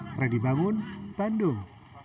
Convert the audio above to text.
tredy bangun bandung